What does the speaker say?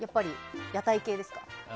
屋台系ですか？